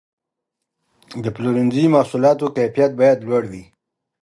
د پلورنځي د محصولاتو کیفیت باید لوړ وي.